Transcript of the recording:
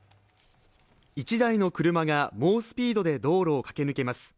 １台の車が猛スピードで道路を駆け抜けます。